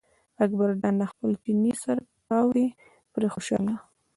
اکبر جان له خپل چیني سره تاو دی پرې خوشاله.